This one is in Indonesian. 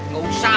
gak usah lu